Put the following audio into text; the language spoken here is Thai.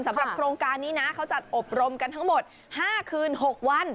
สำหรับโครงการนี้นะเขาจัดอบรมกันทั้งหมด๕คืน๖วัน